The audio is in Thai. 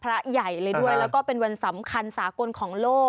พระใหญ่เลยด้วยแล้วก็เป็นวันสำคัญสากลของโลก